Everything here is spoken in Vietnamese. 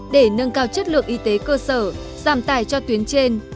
để nâng cao chất lượng y tế cơ sở giảm tài cho tuyến trên